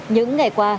những ngày qua